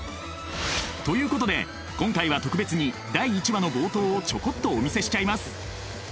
ということで今回は特別に第１話の冒頭をちょこっとお見せしちゃいます。